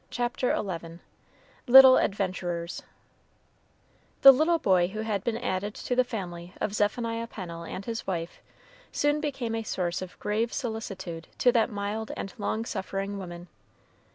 CHAPTER XI LITTLE ADVENTURERS The little boy who had been added to the family of Zephaniah Pennel and his wife soon became a source of grave solicitude to that mild and long suffering woman.